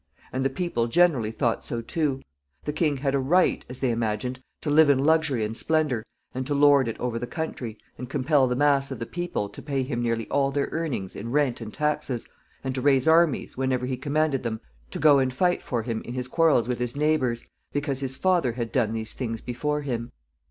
And the people generally thought so too. The king had a right, as they imagined, to live in luxury and splendor, and to lord it over the country, and compel the mass of the people to pay him nearly all their earnings in rent and taxes, and to raise armies, whenever he commanded them, to go and fight for him in his quarrels with his neighbors, because his father had done these things before him.